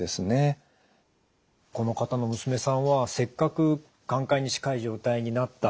この方の娘さんはせっかく寛解に近い状態になった。